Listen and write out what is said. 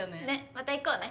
また行こうね。